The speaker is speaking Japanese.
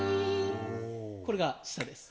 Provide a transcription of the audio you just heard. これが下です。